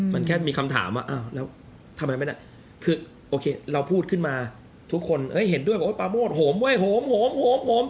มันแค่มีคำถามอะทำไมไม่ได้โอเคเราพูดขึ้นมาทุกคนเห็นด้วยกับโอ๊ตปาโมดโหมเว้ยโหม